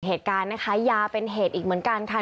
เหตุการณ์นะคะยาเป็นเหตุอีกเหมือนกันค่ะ